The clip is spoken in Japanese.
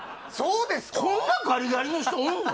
こんなガリガリの人おんの？